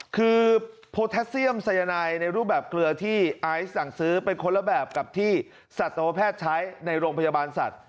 คือโพแทสเซียมสายนายในรูปแบบเกลือที่ไอซ์สั่งซื้อเป็นคนละแบบกับที่สัตวแพทย์ใช้ในโรงพยาบาลสัตว์